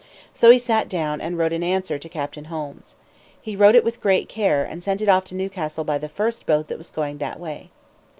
So he sat down and wrote an answer to Captain Holmes. He wrote it with great care, and sent it off to Newcastle by the first boat that was going that way.